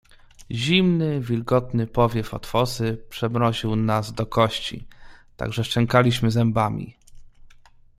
"Zimny, wilgotny powiew od fosy przemroził nas do kości tak, że szczękaliśmy zębami."